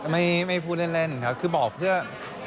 ไม่พูดเล่นครับคือบอกเพื่อ